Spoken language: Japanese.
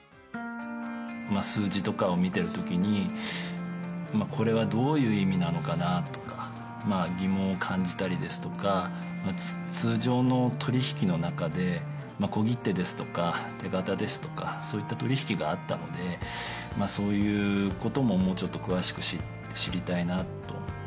数字とかを見てる時にこれはどういう意味なのかな？とか疑問を感じたりですとか通常の取引の中で小切手ですとか手形ですとかそういった取引があったのでそういう事ももうちょっと詳しく知りたいなと思いまして。